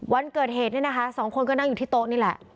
วันเกิดเหตุเนี่ยนะคะสองคนก็นั่งอยู่ที่โต๊ะนี่แหละ